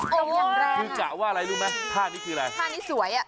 คือกะว่าอะไรรู้ไหมท่านี้คืออะไรท่านี้สวย